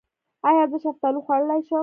ایا زه شفتالو خوړلی شم؟